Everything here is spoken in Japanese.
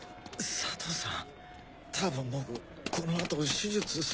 佐藤さん。